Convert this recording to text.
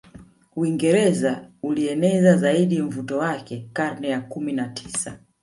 Uingereza ulieneza zaidi mvuto wake karne ya Kumi na tisa